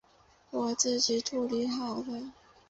我自己处理好了